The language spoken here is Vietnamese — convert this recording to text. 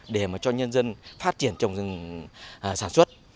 để cho nhân dân phát triển trồng rừng sản xuất